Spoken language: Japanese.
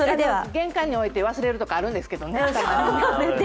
玄関に置いて忘れるとかもあるんですけどね。